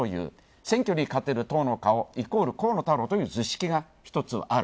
選挙に勝てる党の顔、イコール河野太郎という図式が一つある。